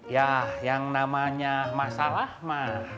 ya yang namanya masalah mah